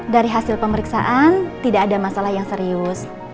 dari hasil pemeriksaan tidak ada masalah yang serius